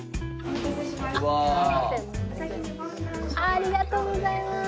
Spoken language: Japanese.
ありがとうございます！